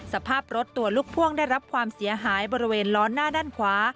สภาพรถตัวลูกพ่วงได้รับความเสียหายบริเวณล้อหน้าด้านขวา